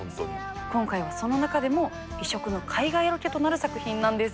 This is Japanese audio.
今回はその中でも異色の海外ロケとなる作品なんです。